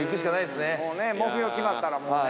目標決まったらもうね。